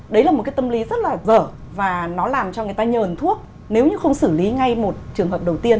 đấy là một cái tâm lý rất là vở và nó làm cho người ta nhờn thuốc nếu như không xử lý ngay một trường hợp đầu tiên